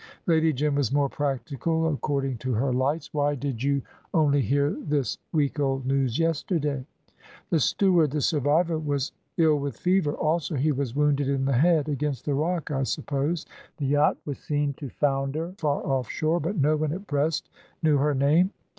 Lady Jim was more practical according to her lights. "Why did you only hear this week old news yesterday?" "The steward, the survivor, was ill with fever: also he was wounded in the head, against the rock, I suppose. The yacht was seen to founder far off shore, but no one at Brest knew her name.